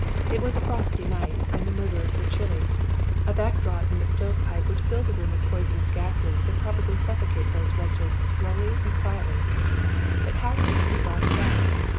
It was a frosty night and the murderers were chilly. A back draught in the stovepipe would fill the room with poisonous gases and probably suffocate these wretches slowly and quietly. But how was it to be brought about?